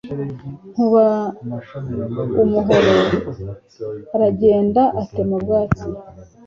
Nkuba umuhoro aragenda atema ubwatsi